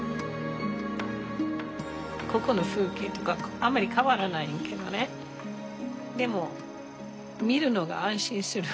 ここの風景とかあんまり変わらないんだけどねでも見るのが安心する。